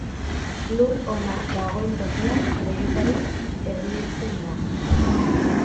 Lur ona dagoen tokian, denetarik ernetzen da.